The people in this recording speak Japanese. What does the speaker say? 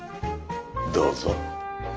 どうぞ。